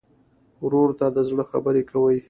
ورور ته د زړه خبره کوې.